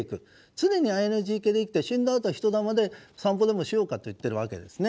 常にＩＮＧ系で生きて死んだあと飛と魂で散歩でもしようかと言ってるわけですね。